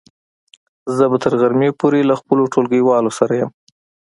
زه به تر غرمې پورې له خپلو ټولګیوالو سره يم.